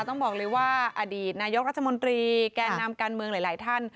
ต้องบอกเลยว่าอดีตนายกรัฐมนตรีแก่นำการเมืองหลายท่าน